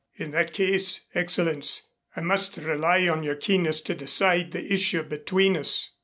"In that case, Excellenz, I must rely on your keenness to decide the issue between us."